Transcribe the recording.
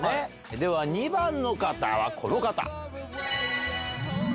では２番の方はこの方。